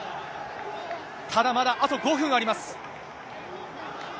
ただ、まだあと５分あります。